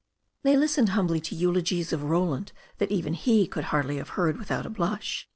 They listened humbly to eulogies of Roland that even he could hardly have heard without a blush.